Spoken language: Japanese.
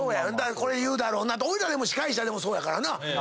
これ言うだろうなっておいら司会者でもそうやからな。